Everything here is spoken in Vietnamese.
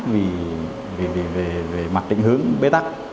vì về mặt định hướng bế tắc